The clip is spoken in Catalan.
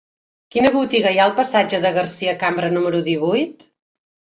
Quina botiga hi ha al passatge de Garcia Cambra número divuit?